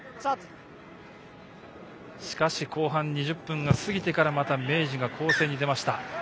しかし後半２０分が過ぎてからまた明治が攻勢に出ました。